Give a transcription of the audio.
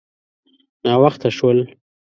_ناوخته شول.